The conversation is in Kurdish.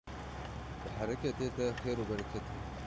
Di hereketê de xêr û bereket heye